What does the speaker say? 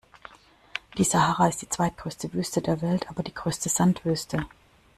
Die Sahara ist die zweitgrößte Wüste der Welt, aber die größte Sandwüste.